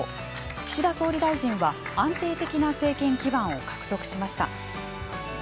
岸田総理大臣は安定的な政治基盤を獲得しました。